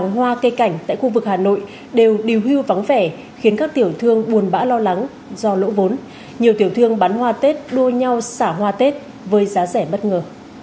hà nội đều điều hưu vắng vẻ khiến các tiểu thương buồn bã lo lắng do lỗ vốn nhiều tiểu thương bán hoa tết đua nhau xả hoa tết với giá rẻ bất ngờ